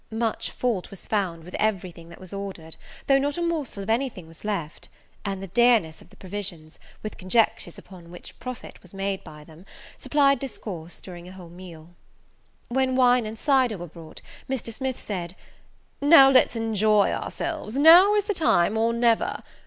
Much fault was found with every thing that was ordered, though not a morsel of any thing was left; and the dearness of the provisions, with conjectures upon what profit was made by them, supplied discourse during the whole meal. When wine and cyder were brought, Mr. Smith said, "Now let's enjoy ourselves; now is the time, or never.